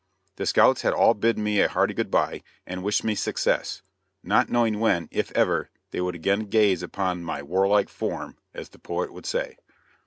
The scouts had all bidden me a hearty good bye, and wished me success, not knowing when, if ever, they would again gaze upon "my warlike form," as the poet would say.